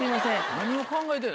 何を考えてんねん。